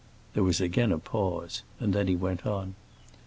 There was again a pause, and then he went on.